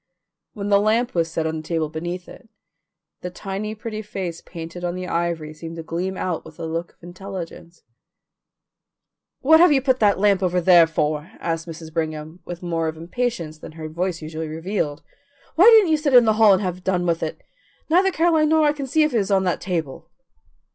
When the lamp was set on the table beneath it, the tiny pretty face painted on the ivory seemed to gleam out with a look of intelligence. "What have you put that lamp over there for?" asked Mrs. Brigham, with more of impatience than her voice usually revealed. "Why didn't you set it in the hall and have done with it. Neither Caroline nor I can see if it is on that table."